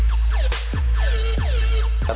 ดูสถานที่สุข